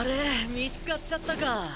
見つかっちゃったか。